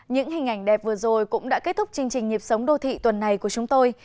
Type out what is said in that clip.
những hình ảnh đẹp vừa rồi cũng đã kết thúc chương trình nhịp sống đô thị tuần này của chúng tôi